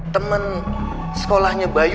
temen sekolahnya bayu